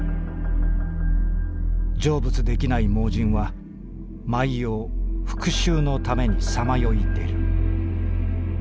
成仏できない盲人は毎夜復讐のためにさまよい出る」。